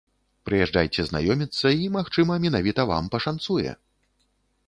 Прыязджайце знаёміцца, і, магчыма, менавіта вам пашанцуе!